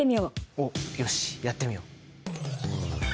おっよしやってみよう！